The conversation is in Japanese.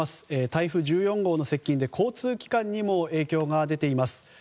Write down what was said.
台風１４号の接近で交通機関にも影響が出ています。